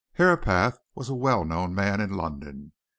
Herapath was a well known man in London.